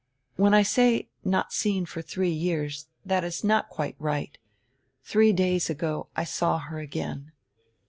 "When I say, 'not seen for three years,' that is not quite right. Three days ago I saw her again."